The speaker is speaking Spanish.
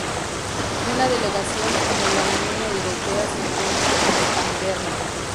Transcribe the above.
Una delegación de la Unión Europea se encuentra en Canberra.